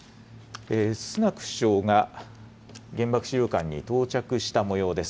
スナク首相が原爆資料館に到着したもようです。